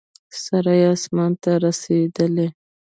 سر یې اسمان ته رسېدلی.